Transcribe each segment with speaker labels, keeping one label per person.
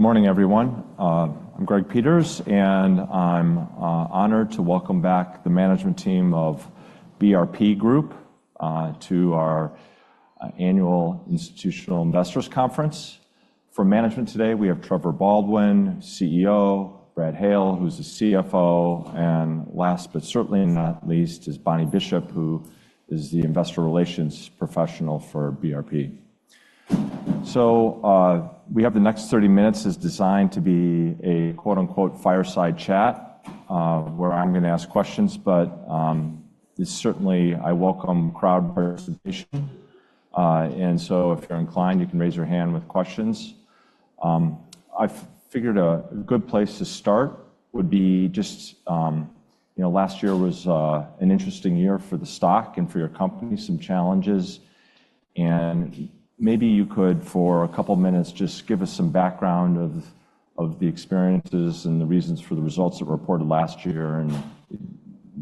Speaker 1: Good morning, everyone. I'm Greg Peters, and I'm honored to welcome back the management team of BRP Group to our Annual Institutional Investors Conference. For management today, we have Trevor Baldwin, CEO; Brad Hale, who's the CFO; and last but certainly not least is Bonnie Bishop, who is the investor relations professional for BRP. So, we have the next 30 minutes is designed to be a quote-unquote "fireside chat," where I'm going to ask questions, but this certainly, I welcome crowd participation. And so if you're inclined, you can raise your hand with questions. I've figured a good place to start would be just, you know, last year was an interesting year for the stock and for your company, some challenges. Maybe you could, for a couple minutes, just give us some background of the experiences and the reasons for the results that were reported last year and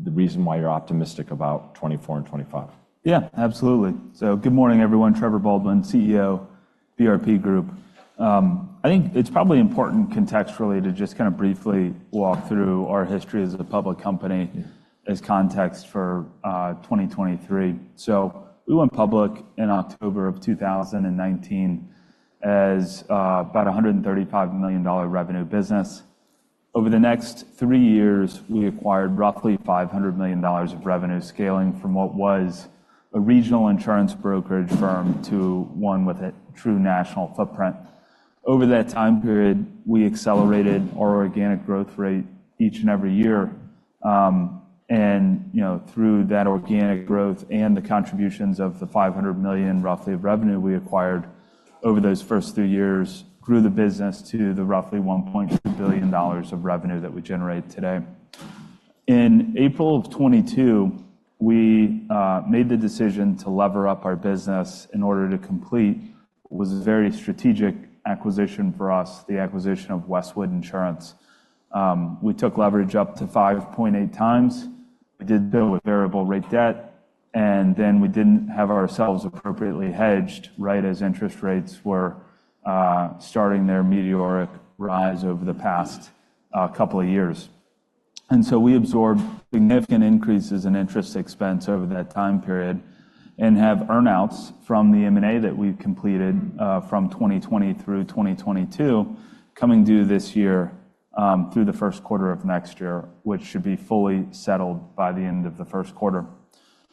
Speaker 1: the reason why you're optimistic about 2024 and 2025.
Speaker 2: Yeah, absolutely. So good morning, everyone. Trevor Baldwin, CEO, BRP Group. I think it's probably important contextually to just kind of briefly walk through our history as a public company as context for 2023. So we went public in October of 2019 as about a $135 million revenue business. Over the next three years, we acquired roughly $500 million of revenue, scaling from what was a regional insurance brokerage firm to one with a true national footprint. Over that time period, we accelerated our organic growth rate each and every year, and you know, through that organic growth and the contributions of the $500 million roughly of revenue we acquired over those first three years, grew the business to the roughly $1.2 billion of revenue that we generate today. In April of 2022, we made the decision to lever up our business in order to complete what was a very strategic acquisition for us, the acquisition of Westwood Insurance. We took leverage up to 5.8 times. We did build with variable rate debt, and then we didn't have ourselves appropriately hedged right as interest rates were starting their meteoric rise over the past couple of years. And so we absorbed significant increases in interest expense over that time period and have earnouts from the M&A that we've completed, from 2020 through 2022 coming due this year, through the first quarter of next year, which should be fully settled by the end of the first quarter.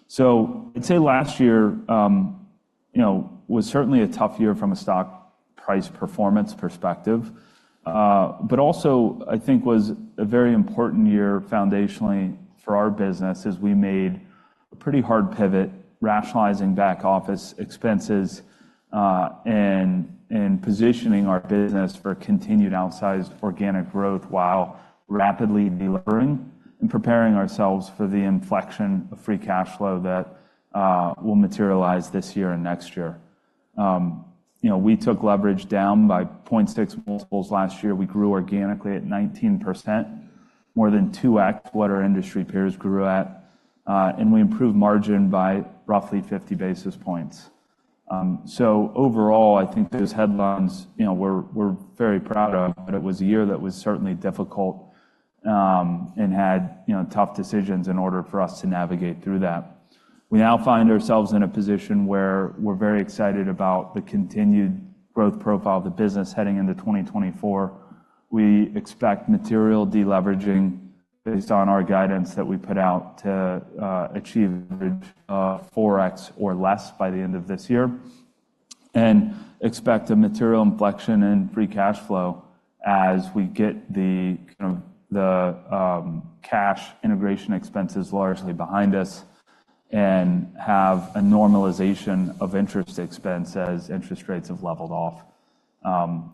Speaker 2: So I'd say last year, you know, was certainly a tough year from a stock price performance perspective, but also I think was a very important year foundationally for our business as we made a pretty hard pivot, rationalizing back office expenses, and positioning our business for continued outsized organic growth while rapidly delivering and preparing ourselves for the inflection of free cash flow that will materialize this year and next year. You know, we took leverage down by 0.6 multiples last year. We grew organically at 19%, more than 2X what our industry peers grew at, and we improved margin by roughly 50 basis points. So overall, I think those headlines, you know, we're very proud of, but it was a year that was certainly difficult, and had, you know, tough decisions in order for us to navigate through that. We now find ourselves in a position where we're very excited about the continued growth profile of the business heading into 2024. We expect material deleveraging based on our guidance that we put out to achieve 4X or less by the end of this year and expect a material inflection in free cash flow as we get the cash integration expenses largely behind us and have a normalization of interest expense as interest rates have leveled off.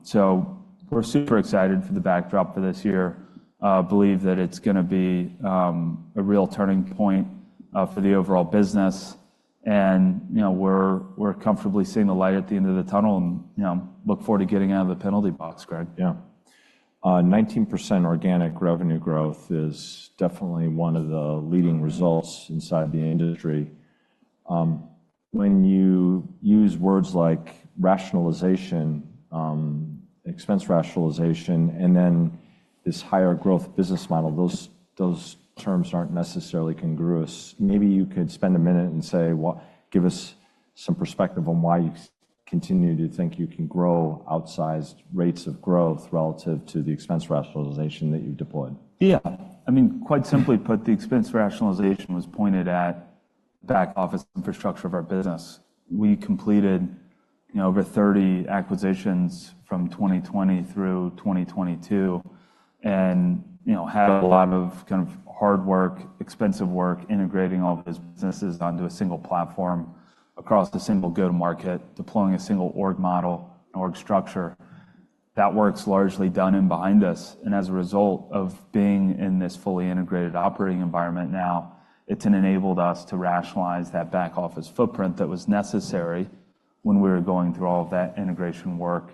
Speaker 2: So we're super excited for the backdrop for this year. Believe that it's going to be a real turning point for the overall business. And, you know, we're comfortably seeing the light at the end of the tunnel and, you know, look forward to getting out of the penalty box, Greg.
Speaker 1: Yeah. 19% organic revenue growth is definitely one of the leading results inside the industry. When you use words like rationalization, expense rationalization, and then this higher growth business model, those, those terms aren't necessarily congruous. Maybe you could spend a minute and say what give us some perspective on why you continue to think you can grow outsized rates of growth relative to the expense rationalization that you've deployed.
Speaker 2: Yeah. I mean, quite simply put, the expense rationalization was pointed at the back office infrastructure of our business. We completed, you know, over 30 acquisitions from 2020 through 2022 and, you know, had a lot of kind of hard work, expensive work, integrating all of those businesses onto a single platform across a single go-to-market, deploying a single org model, an org structure. That work's largely done and behind us. And as a result of being in this fully integrated operating environment now, it's enabled us to rationalize that back office footprint that was necessary when we were going through all of that integration work.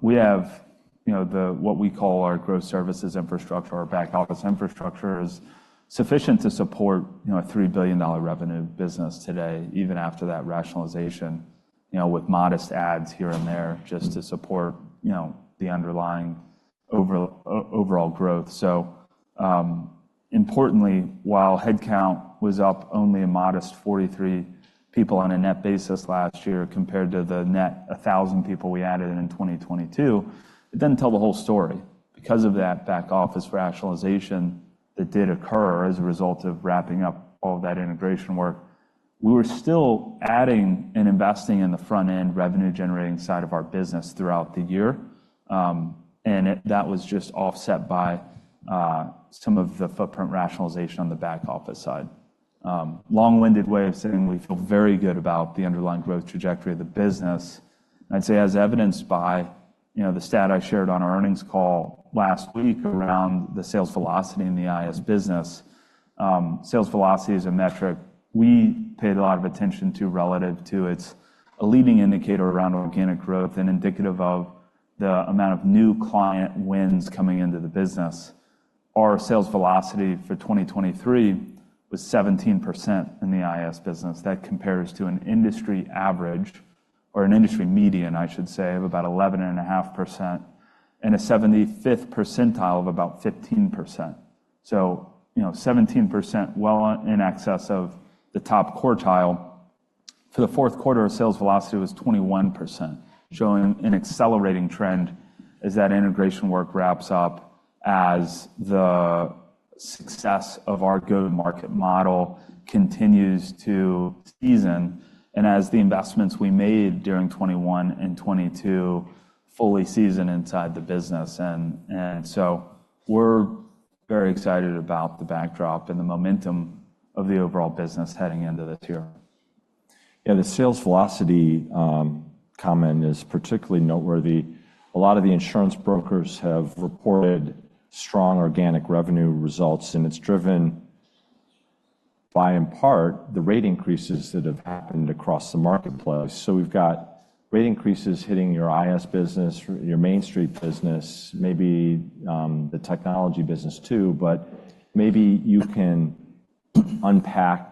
Speaker 2: We have, you know, the what we call our growth services infrastructure, our back office infrastructure, is sufficient to support, you know, a $3 billion revenue business today, even after that rationalization, you know, with modest adds here and there just to support, you know, the underlying overall growth. So, importantly, while headcount was up only a modest 43 people on a net basis last year compared to the net 1,000 people we added in 2022, it doesn't tell the whole story. Because of that back office rationalization that did occur as a result of wrapping up all of that integration work, we were still adding and investing in the front-end revenue-generating side of our business throughout the year. And that was just offset by, some of the footprint rationalization on the back office side. Long-winded way of saying we feel very good about the underlying growth trajectory of the business. I'd say as evidenced by, you know, the stat I shared on our earnings call last week around the Sales Velocity in the IS business, Sales Velocity is a metric we paid a lot of attention to relative to it's a leading indicator around organic growth and indicative of the amount of new client wins coming into the business. Our Sales Velocity for 2023 was 17% in the IS business. That compares to an industry average or an industry median, I should say, of about 11.5% and a 75th percentile of about 15%. So, you know, 17% well in excess of the top quartile. For the fourth quarter, Sales Velocity was 21%, showing an accelerating trend as that integration work wraps up, as the success of our go-to-market model continues to season and as the investments we made during 2021 and 2022 fully season inside the business. And so we're very excited about the backdrop and the momentum of the overall business heading into this year.
Speaker 1: Yeah, the Sales Velocity comment is particularly noteworthy. A lot of the insurance brokers have reported strong organic revenue results, and it's driven by, in part, the rate increases that have happened across the marketplace. So we've got rate increases hitting your IS business, your MainStreet business, maybe, the technology business too, but maybe you can unpack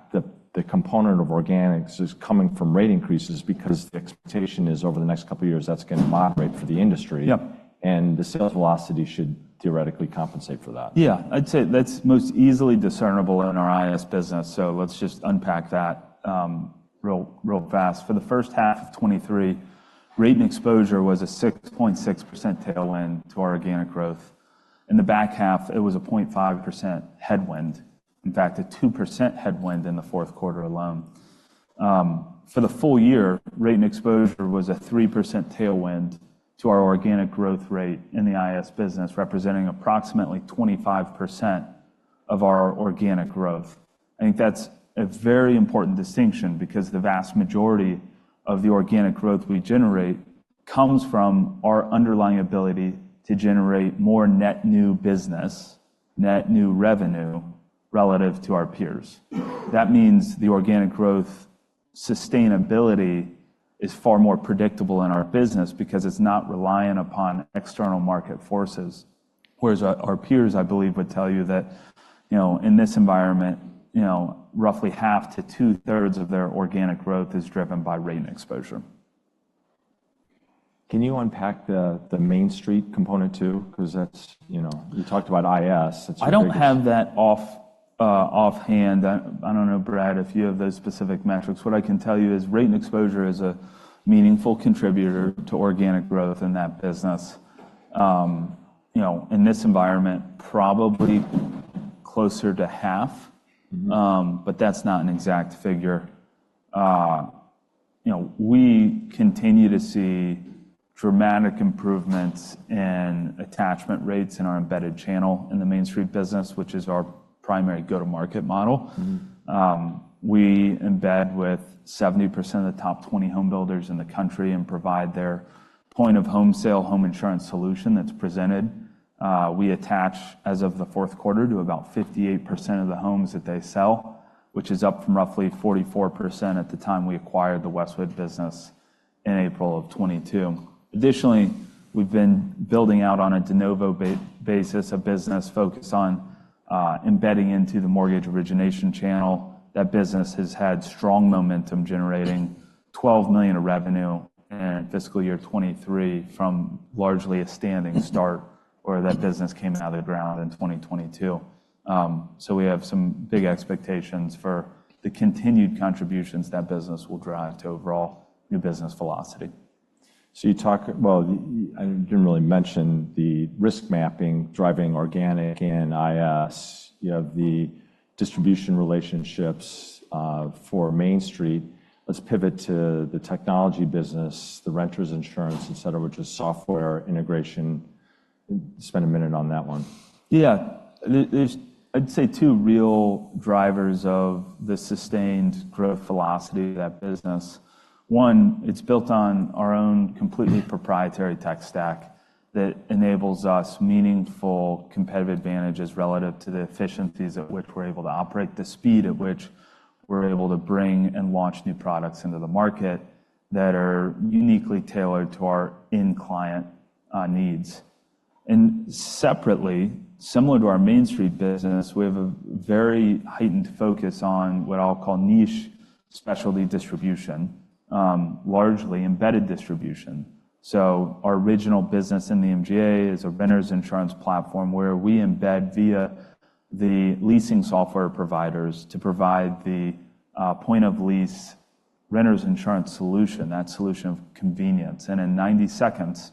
Speaker 1: the component of organics is coming from rate increases because the expectation is over the next couple of years, that's going to moderate for the industry.
Speaker 2: Yeah.
Speaker 1: The Sales Velocity should theoretically compensate for that.
Speaker 2: Yeah. I'd say that's most easily discernible in our IS business. So let's just unpack that, real, real fast. For the first half of 2023, rate and exposure was a 6.6% tailwind to our organic growth. In the back half, it was a 0.5% headwind, in fact, a 2% headwind in the fourth quarter alone. For the full year, rate and exposure was a 3% tailwind to our organic growth rate in the IS business, representing approximately 25% of our organic growth. I think that's a very important distinction because the vast majority of the organic growth we generate comes from our underlying ability to generate more net new business, net new revenue relative to our peers. That means the organic growth sustainability is far more predictable in our business because it's not reliant upon external market forces. Whereas our peers, I believe, would tell you that, you know, in this environment, you know, roughly half to two-thirds of their organic growth is driven by rate and exposure.
Speaker 1: Can you unpack the Mainstreet component too? Because that's, you know, you talked about IS. That's a big thing.
Speaker 2: I don't have that offhand. I don't know, Brad, if you have those specific metrics. What I can tell you is rate and exposure is a meaningful contributor to organic growth in that business. You know, in this environment, probably closer to half, but that's not an exact figure. You know, we continue to see dramatic improvements in attachment rates in our embedded channel in the Mainstreet business, which is our primary go-to-market model. We embed with 70% of the top 20 home builders in the country and provide their point-of-home sale, home insurance solution that's presented. We attach, as of the fourth quarter, to about 58% of the homes that they sell, which is up from roughly 44% at the time we acquired the Westwood business in April of 2022. Additionally, we've been building out on a de novo basis a business focused on embedding into the mortgage origination channel. That business has had strong momentum generating $12 million of revenue in fiscal year 2023 from largely a standing start where that business came out of the ground in 2022, so we have some big expectations for the continued contributions that business will drive to overall new business velocity.
Speaker 1: So you talk well, I didn't really mention the Risk Mapping driving organic and IAS. You have the distribution relationships for Mainstreet. Let's pivot to the technology business, the renters insurance, etc., which is software integration. Spend a minute on that one.
Speaker 2: Yeah. There's, I'd say, two real drivers of the sustained growth velocity of that business. One, it's built on our own completely proprietary tech stack that enables us meaningful competitive advantages relative to the efficiencies at which we're able to operate, the speed at which we're able to bring and launch new products into the market that are uniquely tailored to our end-client needs. And separately, similar to our Mainstreet business, we have a very heightened focus on what I'll call niche specialty distribution, largely embedded distribution. So our original business in the MGA is a renters insurance platform where we embed via the leasing software providers to provide the point-of-lease renters insurance solution, that solution of convenience. And in 90 seconds,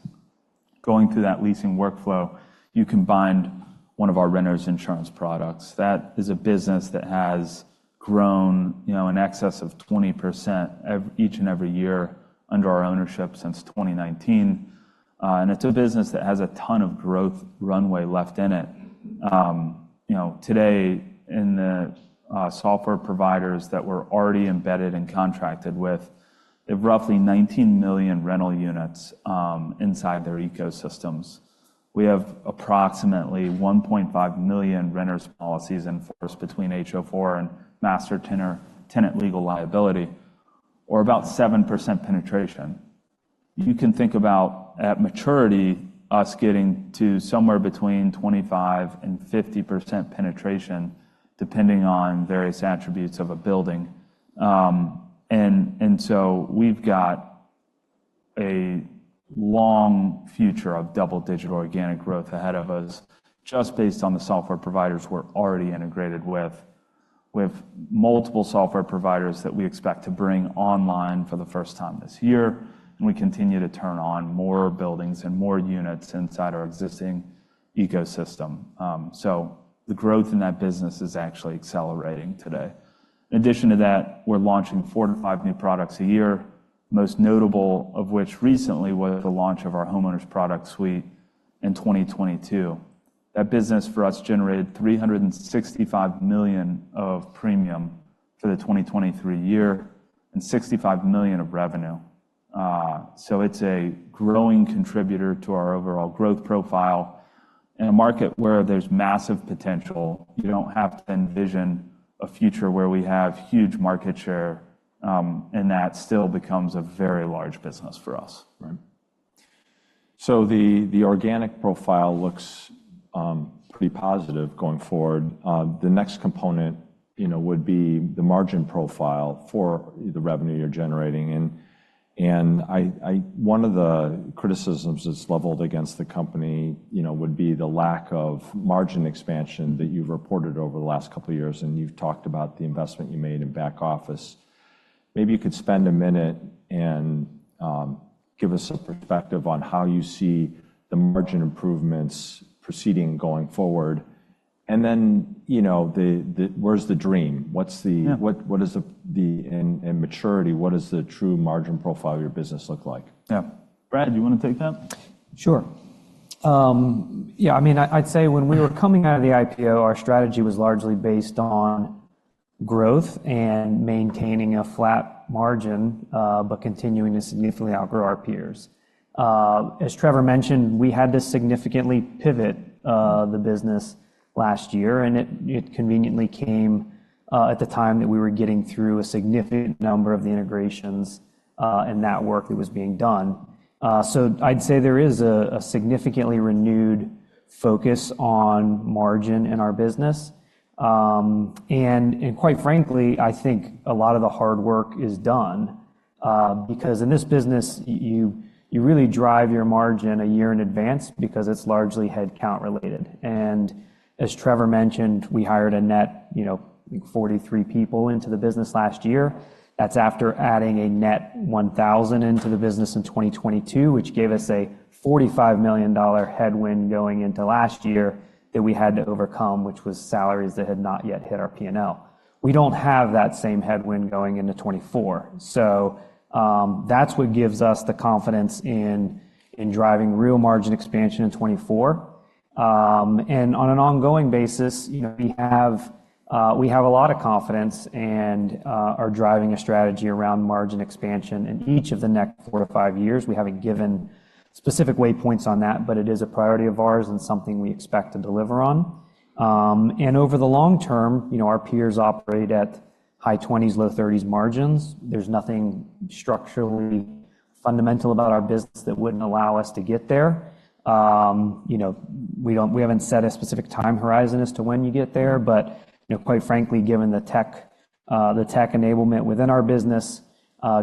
Speaker 2: going through that leasing workflow, you combine one of our renters insurance products. That is a business that has grown, you know, in excess of 20% each and every year under our ownership since 2019. It's a business that has a ton of growth runway left in it. You know, today in the software providers that we're already embedded and contracted with, they have roughly 19 million rental units inside their ecosystems. We have approximately 1.5 million renters policies enforced between HO4 and master tenor tenant legal liability, or about 7% penetration. You can think about, at maturity, us getting to somewhere between 25%-50% penetration, depending on various attributes of a building. And so we've got a long future of double-digit organic growth ahead of us just based on the software providers we're already integrated with. We have multiple software providers that we expect to bring online for the first time this year, and we continue to turn on more buildings and more units inside our existing ecosystem. The growth in that business is actually accelerating today. In addition to that, we're launching four to five new products a year, most notable of which recently was the launch of our homeowners product suite in 2022. That business, for us, generated $365 million of premium for the 2023 year and $65 million of revenue. It's a growing contributor to our overall growth profile in a market where there's massive potential. You don't have to envision a future where we have huge market share, and that still becomes a very large business for us.
Speaker 1: Right. So the organic profile looks pretty positive going forward. The next component, you know, would be the margin profile for the revenue you're generating. And I, one of the criticisms that's leveled against the company, you know, would be the lack of margin expansion that you've reported over the last couple of years, and you've talked about the investment you made in back office. Maybe you could spend a minute and give us some perspective on how you see the margin improvements proceeding going forward. And then, you know, the where's the dream? What's the what, what is the, the in, in maturity, what does the true margin profile of your business look like?
Speaker 2: Yeah.
Speaker 1: Brad, do you want to take that?
Speaker 3: Sure. Yeah, I mean, I'd say when we were coming out of the IPO, our strategy was largely based on growth and maintaining a flat margin, but continuing to significantly outgrow our peers. As Trevor mentioned, we had to significantly pivot the business last year, and it conveniently came at the time that we were getting through a significant number of the integrations and that work that was being done. So I'd say there is a significantly renewed focus on margin in our business. And quite frankly, I think a lot of the hard work is done, because in this business, you really drive your margin a year in advance because it's largely headcount-related. And as Trevor mentioned, we hired a net, you know, I think 43 people into the business last year. That's after adding a net 1,000 into the business in 2022, which gave us a $45 million headwind going into last year that we had to overcome, which was salaries that had not yet hit our P&L. We don't have that same headwind going into 2024. So, that's what gives us the confidence in driving real margin expansion in 2024. On an ongoing basis, you know, we have a lot of confidence and are driving a strategy around margin expansion in each of the next 4-5 years. We haven't given specific waypoints on that, but it is a priority of ours and something we expect to deliver on. Over the long term, you know, our peers operate at high 20s, low 30s margins. There's nothing structurally fundamental about our business that wouldn't allow us to get there. You know, we don't, we haven't set a specific time horizon as to when you get there, but, you know, quite frankly, given the tech, the tech enablement within our business,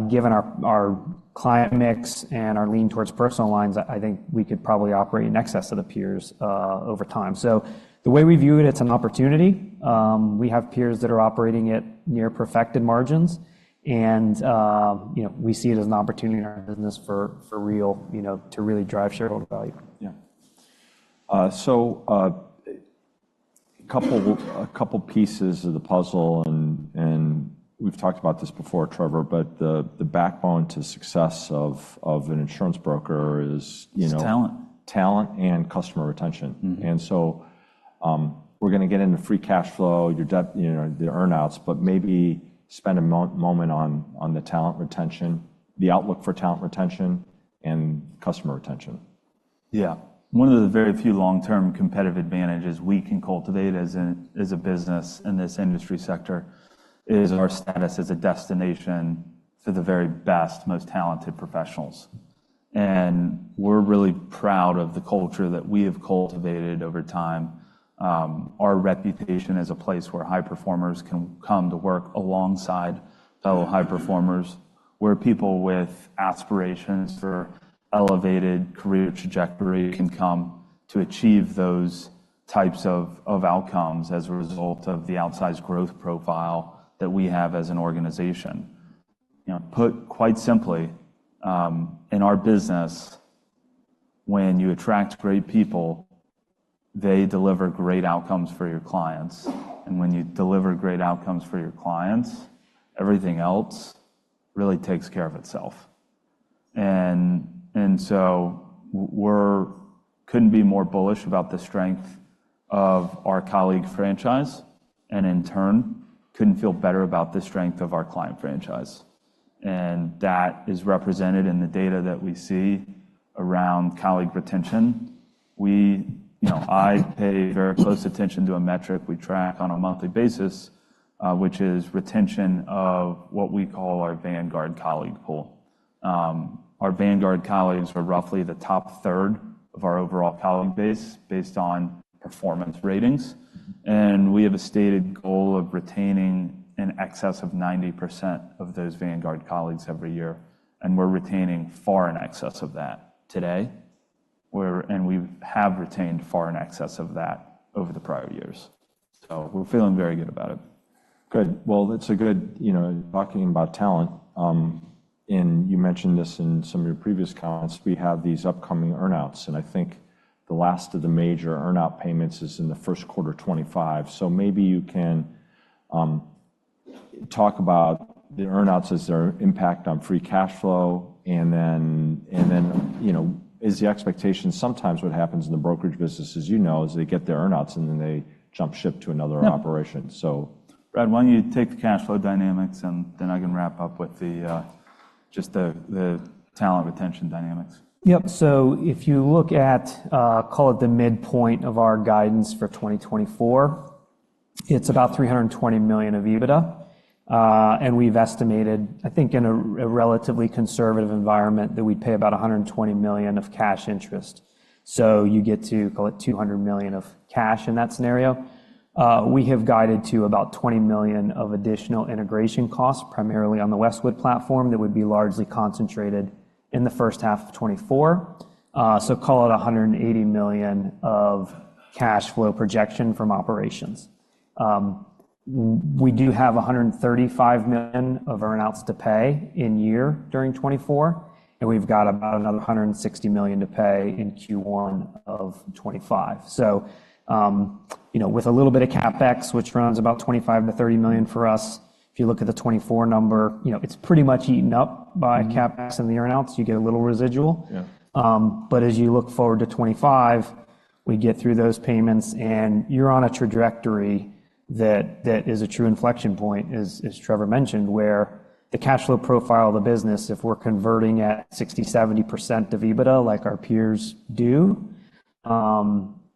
Speaker 3: given our, our client mix and our lean towards personal lines, I, I think we could probably operate in excess of the peers, over time. So the way we view it, it's an opportunity. We have peers that are operating at near perfected margins, and, you know, we see it as an opportunity in our business for, for real, you know, to really drive shareholder value.
Speaker 1: Yeah. So, a couple pieces of the puzzle, and we've talked about this before, Trevor, but the backbone to success of an insurance broker is, you know.
Speaker 2: It's talent.
Speaker 1: Talent and customer retention. So, we're going to get into free cash flow, your debt, you know, the earnouts, but maybe spend a moment on the talent retention, the outlook for talent retention, and customer retention.
Speaker 2: Yeah. One of the very few long-term competitive advantages we can cultivate as a business in this industry sector is our status as a destination for the very best, most talented professionals. And we're really proud of the culture that we have cultivated over time, our reputation as a place where high performers can come to work alongside fellow high performers, where people with aspirations for elevated career trajectory can come to achieve those types of outcomes as a result of the outsized growth profile that we have as an organization. You know, put quite simply, in our business, when you attract great people, they deliver great outcomes for your clients. And when you deliver great outcomes for your clients, everything else really takes care of itself. So we couldn't be more bullish about the strength of our colleague franchise and, in turn, couldn't feel better about the strength of our client franchise. That is represented in the data that we see around colleague retention. We, you know, I pay very close attention to a metric we track on a monthly basis, which is retention of what we call our Vanguard colleague pool. Our Vanguard colleagues are roughly the top third of our overall colleague base based on performance ratings. We have a stated goal of retaining an excess of 90% of those Vanguard colleagues every year, and we're retaining far in excess of that today. We're, and we have retained far in excess of that over the prior years. So we're feeling very good about it.
Speaker 1: Good. Well, that's a good you know, talking about talent, and you mentioned this in some of your previous comments. We have these upcoming earnouts, and I think the last of the major earnout payments is in the first quarter 2025. So maybe you can talk about the earnouts as their impact on free cash flow and then and then, you know, is the expectation sometimes what happens in the brokerage business, as you know, is they get their earnouts and then they jump ship to another operation. So.
Speaker 3: Yeah.
Speaker 1: Brad, why don't you take the cash flow dynamics, and then I can wrap up with the, just the talent retention dynamics?
Speaker 3: Yep. So if you look at, call it the midpoint of our guidance for 2024, it's about $320 million of EBITDA. And we've estimated, I think, in a relatively conservative environment that we'd pay about $120 million of cash interest. So you get to, call it, $200 million of cash in that scenario. We have guided to about $20 million of additional integration costs, primarily on the Westwood platform, that would be largely concentrated in the first half of 2024. So call it $180 million of cash flow projection from operations. We do have $135 million of earnouts to pay in year during 2024, and we've got about another $160 million to pay in Q1 of 2025. So, you know, with a little bit of CapEx, which runs about $25-$30 million for us, if you look at the 2024 number, you know, it's pretty much eaten up by CapEx and the earnouts. You get a little residual.
Speaker 1: Yeah.
Speaker 3: But as you look forward to 2025, we get through those payments, and you're on a trajectory that, that is a true inflection point, as, as Trevor mentioned, where the cash flow profile of the business, if we're converting at 60%-70% of EBITDA like our peers do,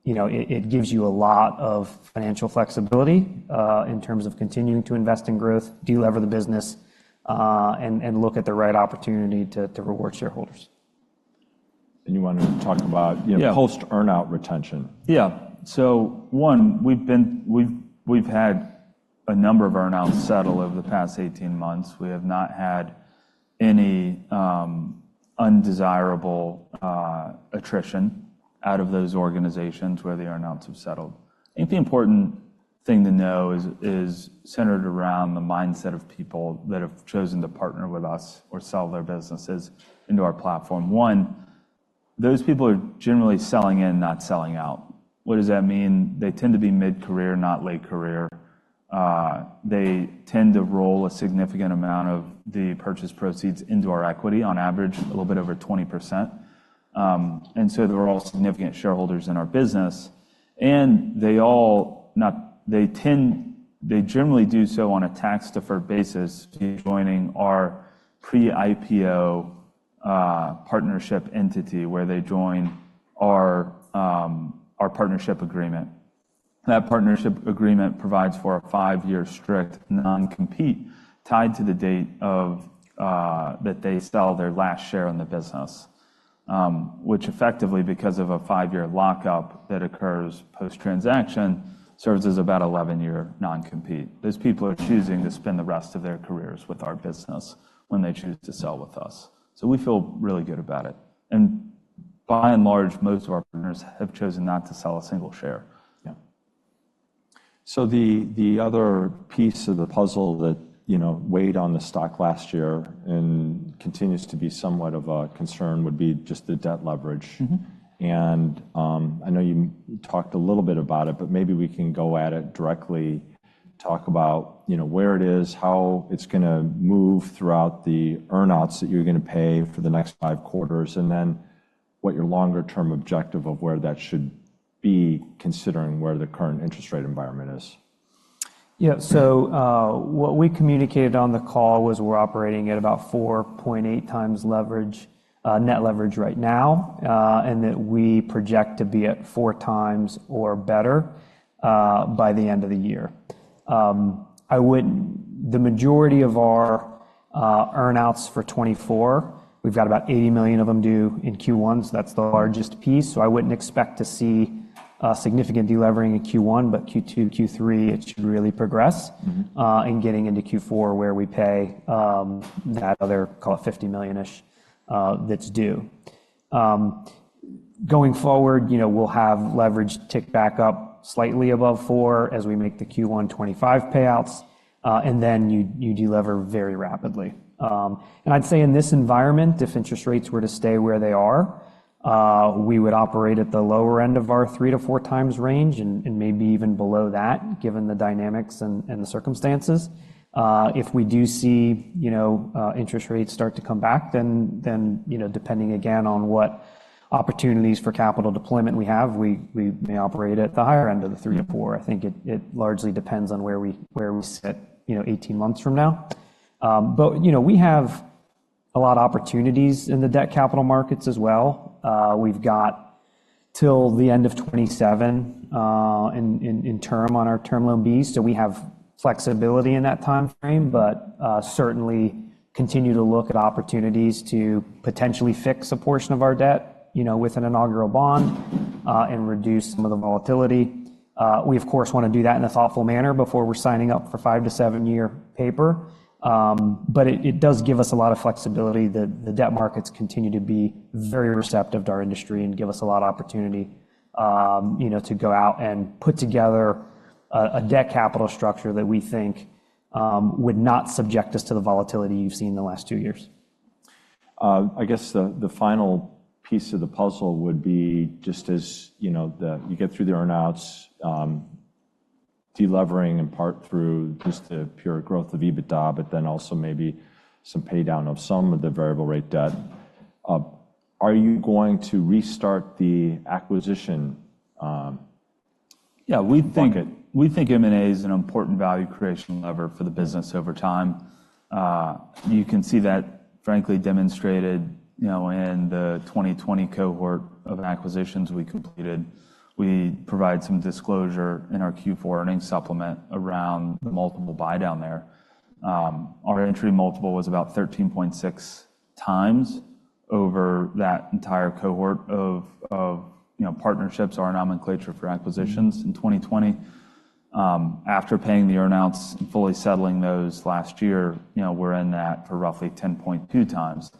Speaker 3: you know, it, it gives you a lot of financial flexibility, in terms of continuing to invest in growth, delever the business, and, and look at the right opportunity to, to reward shareholders.
Speaker 1: You wanted to talk about, you know.
Speaker 3: Yeah.
Speaker 1: Post-earnout retention.
Speaker 2: Yeah. So one, we've been, we've had a number of earnouts settle over the past 18 months. We have not had any undesirable attrition out of those organizations where the earnouts have settled. I think the important thing to know is centered around the mindset of people that have chosen to partner with us or sell their businesses into our platform. One, those people are generally selling in, not selling out. What does that mean? They tend to be mid-career, not late-career. They tend to roll a significant amount of the purchase proceeds into our equity, on average, a little bit over 20%. And so they're all significant shareholders in our business, and they all generally do so on a tax-deferred basis joining our pre-IPO partnership entity where they join our partnership agreement. That partnership agreement provides for a five-year strict non-compete tied to the date that they sell their last share in the business, which effectively, because of a five-year lockup that occurs post-transaction, serves as about 11-year non-compete. Those people are choosing to spend the rest of their careers with our business when they choose to sell with us. So we feel really good about it. And by and large, most of our partners have chosen not to sell a single share.
Speaker 1: Yeah. So the other piece of the puzzle that, you know, weighed on the stock last year and continues to be somewhat of a concern would be just the debt leverage.
Speaker 3: Mm-hmm.
Speaker 1: I know you talked a little bit about it, but maybe we can go at it directly, talk about, you know, where it is, how it's going to move throughout the earnouts that you're going to pay for the next five quarters, and then what your longer-term objective of where that should be considering where the current interest rate environment is.
Speaker 3: Yeah. So, what we communicated on the call was we're operating at about 4.8x leverage, net leverage right now, and that we project to be at 4x or better, by the end of the year. I wouldn't the majority of our, earnouts for 2024, we've got about $80 million of them due in Q1, so that's the largest piece. So I wouldn't expect to see, significant delevering in Q1, but Q2, Q3, it should really progress.
Speaker 1: Mm-hmm.
Speaker 3: Getting into Q4 where we pay, that other call it $50 million-ish, that's due. Going forward, you know, we'll have leverage tick back up slightly above 4 as we make the Q1 2025 payouts, and then you, you delever very rapidly. And I'd say in this environment, if interest rates were to stay where they are, we would operate at the lower end of our three to four times range and, and maybe even below that given the dynamics and, and the circumstances. If we do see, you know, interest rates start to come back, then, then, you know, depending again on what opportunities for capital deployment we have, we, we may operate at the higher end of the three to four. I think it, it largely depends on where we where we sit, you know, 18 months from now. But, you know, we have a lot of opportunities in the debt capital markets as well. We've got till the end of 2027 in term on our Term Loan B, so we have flexibility in that time frame, but certainly continue to look at opportunities to potentially fix a portion of our debt, you know, with an inaugural bond, and reduce some of the volatility. We, of course, want to do that in a thoughtful manner before we're signing up for five to seven year paper. But it does give us a lot of flexibility that the debt markets continue to be very receptive to our industry and give us a lot of opportunity, you know, to go out and put together a debt capital structure that we think would not subject us to the volatility you've seen in the last two years.
Speaker 1: I guess the final piece of the puzzle would be just as, you know, you get through the earnouts, delevering in part through just the pure growth of EBITDA, but then also maybe some paydown of some of the variable-rate debt. Are you going to restart the acquisition,
Speaker 2: Yeah. We think M&A is an important value creation lever for the business over time. You can see that, frankly, demonstrated, you know, in the 2020 cohort of acquisitions we completed. We provide some disclosure in our Q4 earnings supplement around the multiple buy-down there. Our entry multiple was about 13.6x over that entire cohort of, you know, partnerships, our nomenclature for acquisitions in 2020. After paying the earnouts and fully settling those last year, you know, we're in that for roughly 10.2x.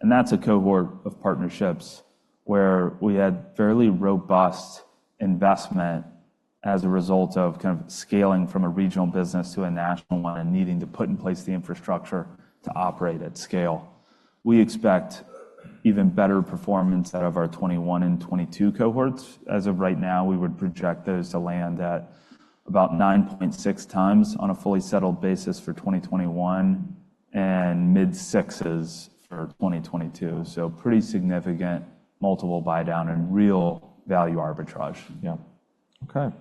Speaker 2: And that's a cohort of partnerships where we had fairly robust investment as a result of kind of scaling from a regional business to a national one and needing to put in place the infrastructure to operate at scale. We expect even better performance out of our 2021 and 2022 cohorts. As of right now, we would project those to land at about 9.6x on a fully settled basis for 2021 and mid-6s for 2022. So pretty significant multiple buy-down and real value arbitrage.
Speaker 1: Yeah. Okay.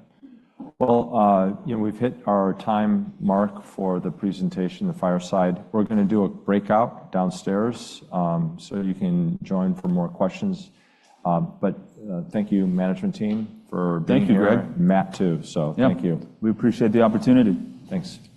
Speaker 1: Well, you know, we've hit our time mark for the presentation, the fireside. We're going to do a breakout downstairs, so you can join for more questions. But, thank you, management team, for being here.
Speaker 2: Thank you, Greg.
Speaker 1: Matt too. So thank you.
Speaker 2: Yeah. We appreciate the opportunity.
Speaker 1: Thanks.